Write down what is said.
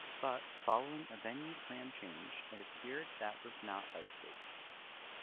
But, following a venue plan change, it appeared that was not likely.